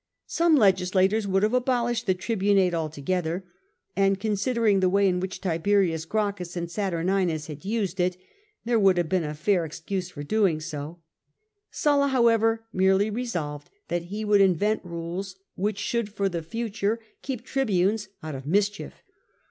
Some legislators would have abolished the tribunate altogether ; and considering the way in which Tiberius Gracchus and Saturninus had used it, there would have been a fair excuse for so doing. Sulla, however, merely resolved that he would invent rules which should for the future keep ISO SULLA tribunes out of misehief.